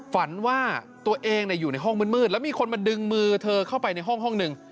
ฝันว่าตัวเองอยู่ในห้องมืดแล้วมีคนมาดึงมือเธอเข้าไปในห้องหนึ่ง